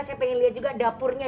saya pengen lihat juga dapurnya